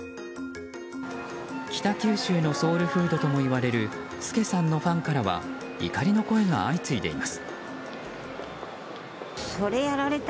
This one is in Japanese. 北九州のソウルフードともいわれる資さんのファンからは怒りの声が相次いでいます。